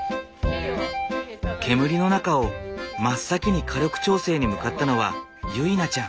煙の中を真っ先に火力調整に向かったのは結菜ちゃん。